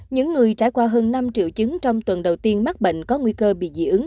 những người trải qua hơn năm triệu chứng trong tuần đầu tiên mắc bệnh có nguy cơ bị dị ứng